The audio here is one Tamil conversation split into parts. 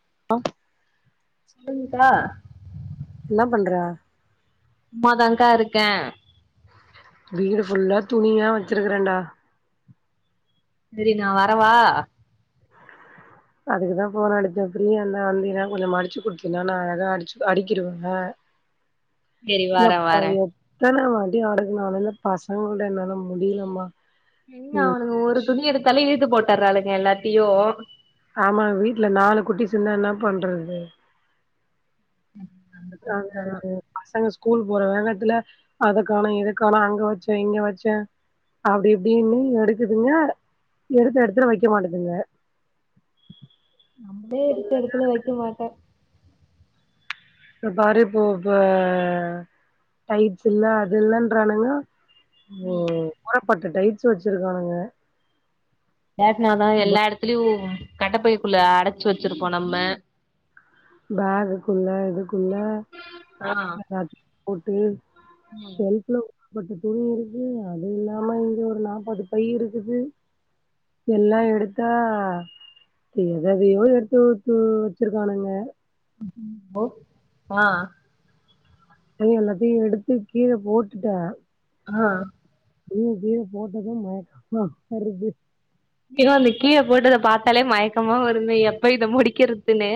[unintelligible] சொல்லுங்கக்கா என்ன பண்ற சும்மாதாக்கா இருக்கே வீடு ஃபுல்லா துணியா வச்சிருக்கறேன்டா சரி நா வரவா அதுக்குதான் போன் அடிச்சே பிரீ இருந்தா வந்தின்னா கொஞ்சம் மடிச்சு குடுத்தீன்னா நான் ஏது அடிச்சு அடிக்கிடுவ [unintelligible] சரி வரே வறே எத்தனவாட்டி அடுக்குனாலு இந்த பசங்களிட்ட என்னொல முடியலமா என்னா அவனுங்க ஒரு துணி எடுத்தாலே இழுது போட்டுர்றாளுங்க எல்லாத்தையும் ஆமா வீட்ல நாலு குட்டிசு இருந்தா என்ன பண்றது [inaudible] ஆ பிரச்சனதா [unintelligible] பசங்க ஸ்கூல் போற வேகத்துல அதுக்கானும் இதுக்கானம் அங்க வச்சே இங்க வச்சே அப்படி இப்படின்னு எடுக்குதுங்க எடுத்து எடுத்துல வைக்க மாட்டதுங்க [unintelligible] நம்மளே இருக்க இடத்துல வைக்க மாட்டே பாருப்போ இப்ப டைட்ஸ் இல்ல அது இல்லன்றானுங்க ம் ஊர்பட்ட டைட்ஸ் வச்சிருக்கானுங்க வேனாதான் ப எல்லா இடத்துலயும் கட்டைப்பயக்குள்ள அடைச்சு வச்சிருக்கோம் நம்ம பேகுக்குள்ள இதுக்குள்ள ஆ எல்லாத்த போட்டு ம் செல்ஃப் ல பட்டு துணி இருக்கு அது இல்லாம இங்க ஒரு நாற்பது பை இருக்குது எல்லாம் எடுத்தா எது எதையோ எடத்து ஊத்து வச்சிருக்கானுங்க ஆ அன் எல்லாத்தையும் எடுத்து கீழே போட்டுட்டே ஆ தூக்கி கீழ போட்டதும் மயக்கமா வருது அய்யோ அந்த கீழ போட்டத பார்த்தாலே மயக்கமா வருமே எப்ப இத முடிக்கறதுன்னு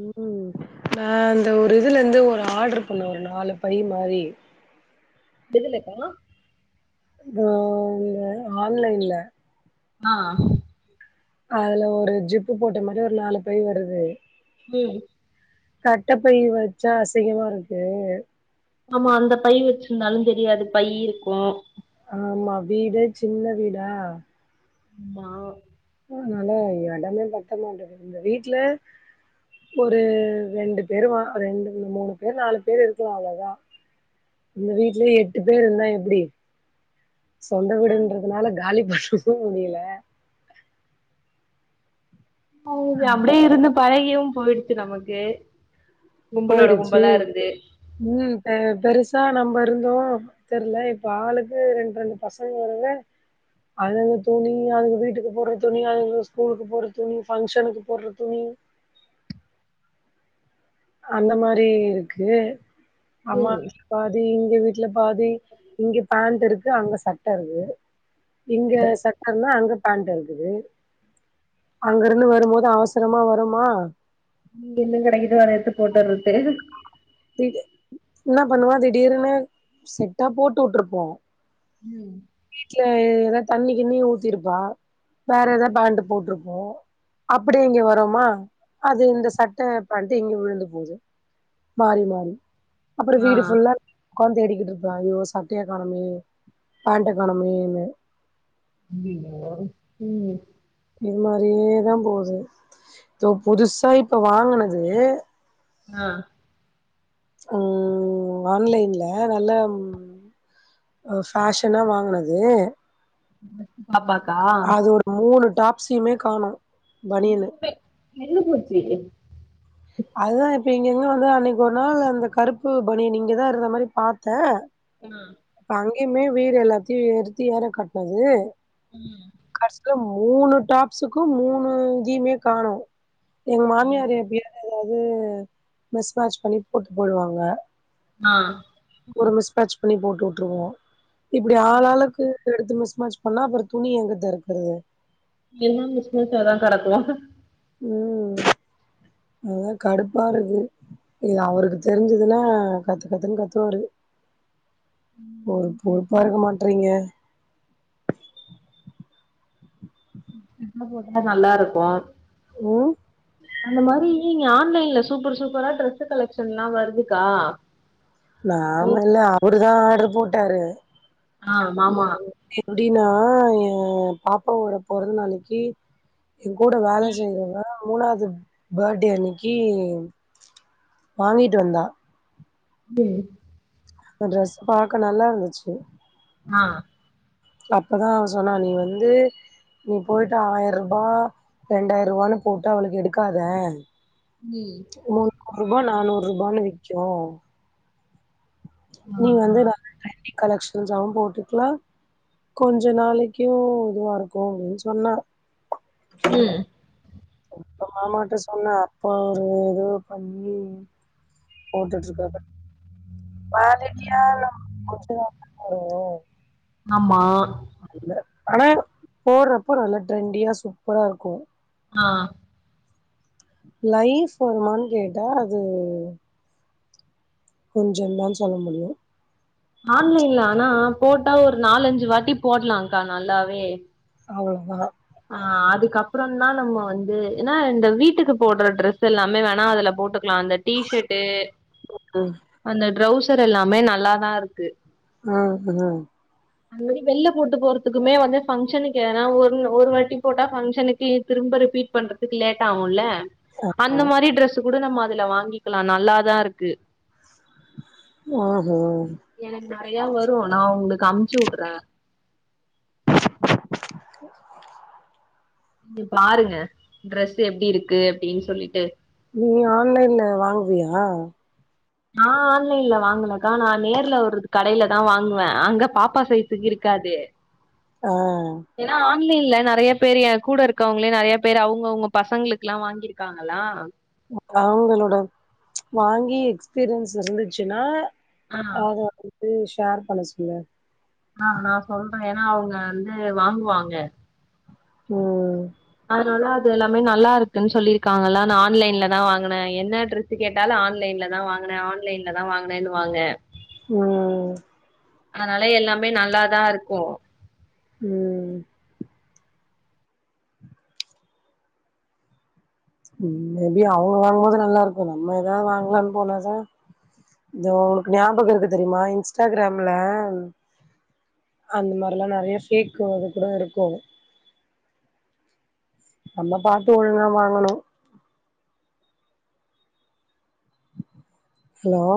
ம் நான் அந்த ஒரு இதுல இருந்து ஒரு ஆர்டரு பண்ணே ஒரு நாலு பை மாரி எதுலக்கா இதோ இந்த ஆன்லைன்ல ஆ அதுல ஒரு ஜிப்பு போட்ட மாதிரி ஒரு நாலு பை வருது ம் கட்டைப்பை வச்சா அசிங்கமா இருக்கு ஆமா அந்த பை வச்சிருந்தாலும் தெரியாது பைய் இருக்கும் ஆமா வீடே சின்ன வீடா மா அதனால எடமே பத்த மாட்டது இந்த வீட்ல ஒரு ரெண்டு பேரு வா ரெண்டு மூணு பேர் நாலு பேர் இருக்கலா அழகா இந்த வீட்லயே எட்டு பேரு இருந்தா எப்படி சொந்த வீடுன்றதுனால காலி [unintelligible] அவுங் அப்படியே இருந்து பழகியும் போயிடுச்சு நமக்கு கும்பலோட போயிடுச்சு கும்பலா இருந்து ம் பெ பெருசா நம்ம இருந்தோ தெர்ல இப்ப ஆளுக்கு ரெண் ரெண்டு பசங்க வரேல அதுங்க துணி அதுங்க வீட்டுக்கு போட்ற துணி அதுங்க ஸ்கூலுக்கு போட்ற துணி ஃபங்க்ஷன்க்கு போட்ற துணி [unintelligible] அந்த மாரி இருக்கு அம்மா ம் வீட்ல பா தி இங்க வீட்ல பாதி இங்க பேண்ட்டு இருக்கு அங்க சட்ட இருக்கு இங்க சட்ட இருந்தா அங்க பேண்ட்டு இருக்குது அங்க இருந்து வரும்போது அவசரமா வரோமா இங்க என்ன கெடைக்குதோ அத எடுத்து போட்டு வரது தி என்னா பண்ணுவா திடிர்னு செட்டா போட்டுட்ருப்போ ம் வீட்டல ஏதா தண்ணி கிண்ணி ஊத்திருப்பா வேற ஏதாவது பேண்ட்டு போட்ருப்போ அப்படியே இங்க வரோமா அது இந்த சட்ட பேண்ட்டு இங்க விழுந்து போது மாறி மாறி அப்புறம் ஆ வீடு ஃபுல்லா உக்காந்து தேடிக்கிட்டு இருப்ப ஐயோ சட்டைய காணமே பேண்ட்ட காணமேன்னு [unintelligible] ம் இது மாரியே தா போது தொ புதுசா இப்ப வாங்கனது ஆ ஓ ஆன்லைன்ல நல்லா அ ஃபேஷனா வாங்கனது பாப்பாக்கா அது ஒரு மூணு டாப்ஸ்யுமே காணோ பனியனு [unintelligible] நின்னு போச்சு அதுதா இப்ப எங் என்னோட அன்னைக்கு ஒரு நாள் அந்த கருப்பு பணியன் இங்கதா இருந்த மாரி பாத்தே ஆ எமே உயர் எல்லாத்தையு ஏறுத்து ஏற கட்னது ம் கடைசல மூணு டாப்ஸுக்கு மூணு இங்மே காணு எங்க மாமியார் எப்பையாது ஏதாது உம் மிஸ்மாட்சு பண்ணி போட்டு போயிடுவாங்க ஆ ஒரு மிஸ் மேட்ச் பண்ணி போட்டு வுட்டுருவோ இப்படி ஆள்ளாளுக்கு எடுத் மிஸ் மேட்ச பண்ண அப்புறம் துணி எங்க தறக்கறது எல்லா மிஸ் மேட்ச் தா கடக்கு ம் அதா கடுப்பா இருக்கு இல்ல அவுருக்கு தெரிஞ்சதுல்ல கத்து கத்துன்னு கத்துவாரு ஒரு பொறுப்பா இருக்க மாட்றீங்க ம் நல்லா இருக்கு உம் அந்த மாரி நீ ஆன்லைன்ல சூப்பர் சூப்பரா டிரஸ்கலெக்ஷன் எல்லா வருதுக்கா நாம இல்ல அவரு தா ஆர்டுரு போட்டாரு ஆ மாமா ஆ ஏ பாப்பாவோட பொறந்த நாளைக்கு என் கூட வேல செய்றவங்க மூணாவது பர்த்டே அன்னைக்கு வாங்கிட்டு வந்தா ம் ட்ரெஸ் பாக்க நல்லா இருந்துச்சு ஆ அப்பதா சொன்னா நீ வந்து நீ போயிட்டு ஆயரூபா ரெண்டாயிரூபான் போட்டு அவளுக்கு எடுக்காத ம் முன்னூறு ரூபா நானூறு ரூபான் விக்கும் ஆ நீ ஆ வந்து [inaudible] ட்ரெண்டி கலெக்ஷன்சாவு போட்டுக்லா கொஞ்ச நாளைக்கு இதுவா இருக்கு அப்டின்னு சொன்னா ம் அப்ப மாமாட்ட சொன்னே அப்போ ஒரு இது பண்ணி போட்டுட்ருக்காரு [unintelligible] ஆமா ஆனா போட்றப்போ நல்லா ட்ரெண்டியா சூப்பரா இருக்கும் ஆ லைஃப் வருமான் கேட்டா அது கொஞ்சம் தான் சொல்ல முடியும் ஆன்லைன்ல ஆனா போட்டா ஒரு நாலஞ்சு வாட்டி போடலாம்கா நல்லாவே அவ்வளோதான் ஆஹ் அதுக்கப்புறம் தான் நம்ம வந்து ஏன்னா இந்த வீட்டுக்கு போடுற ட்ரெஸ் எல்லாமே வேணா அதுல போட்டு க்கலாம் அந்த டீஷர்ட்ட் ம் அந்த ட்ரௌசர் எல்லாமே நல்லாதான் இருக்கு உஹம் உஹம் அந்த மாதிரி வெள்ளில போட்டு போறதுக்குமே வந்து ஃபங்க்ஷனுக்கு ஒருவட்டி போட்டா பனுக்கு திரும் ரிபீட் பண்றதுக்கு லேட் ஆக ஆமா அந்த மாதிரி டிரஸ் குட நம்ம அதுல வாங்கிக்கலாம் நல்லாதான் இருக்கு ஓஹோ நறைய வரும் நான் உங்களுக்கு அமுச்சு விடுறேன் [inaudible] நீங்க பாருங்க ட்ரெஸ் எப்படி இருக்கு அப்படின்னு சொல்லிட்டு நீ ஆன்லைன்ல வாங்குவியா ஆஹ ஆன்லைன்ல வாங்கலக்கா நான் நேர்ல வருறது கடையில தான் வாங்குவேன் அங்க பாப்பா சைஸுக்கு இருக்காது ஆஹ் இல்ல இல்ல நிறைய பேர் கூட இருக்கவங்களே நிறையா பேரு அவங்கவுங்க பசங்களுக்கு எல்லாம் வாங்கிருக்காங்களாம் அவங்களோட வாங்கி எக்ஸ்பீரியன்ஸ் இருந்துச்சுன்னா ஆ அத வந்து ஷேர் பண்ண சொல்லு ஆஹ் நான் சொல்றேன் ஏன்னா அவங்க வந்து வாங்குவாங்க ம் அதுனால எல்லாமே நல்லா இருக்குன்னு சொல்லிருக்காங்க ஆன்லைன்ல தான் வாங்கின என்ன டிரஸ் கேட்டாலும் ஆன்லைன்ல தான் வாங்கின ஆன்லைன்லதான் வாங்கினேன்னு வாாங்க உஹம் அதனால எல்லாமே நல்லாதான் இருக்கும் உம் மேபி அவங்க வாங்கும்போது நல்லா இருக்கும் நம்ம ஏதாவது வாங்கலாம்னு போனா சா இந்த உங்களுக்கு ஞாபகம் இருக்கு தெரியுமா இன்ஸ்டாகிராம்ல அந்த மாதிரிிலாம் நிறைய பேேக்கு அது கூட இருக்கும் நம்ம பாத்து ஒழுங்கான் வாங்கணும் ஹலோ